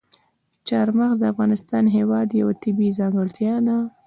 چار مغز د افغانستان هېواد یوه طبیعي ځانګړتیا ده.